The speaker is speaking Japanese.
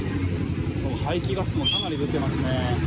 排気ガスもかなり出ていますね。